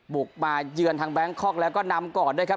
บุกมาเยือนทางแบงคอกแล้วก็นำก่อนด้วยครับ